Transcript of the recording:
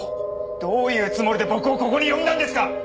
どういうつもりで僕をここに呼んだんですか！